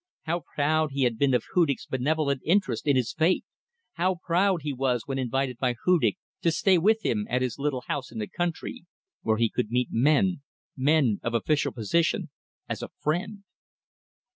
How proud he had been of Hudig's benevolent interest in his fate! How proud he was when invited by Hudig to stay with him at his little house in the country where he could meet men, men of official position as a friend.